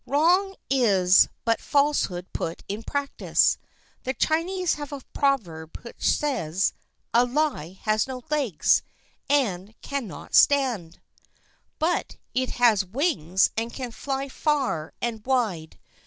Wrong is but falsehood put in practice. The Chinese have a proverb which says, "A lie has no legs, and can not stand;" but it has wings and can fly far and wide.